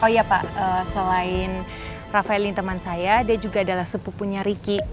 oh iya pak selain rafael ini teman saya dia juga adalah sepupunya riki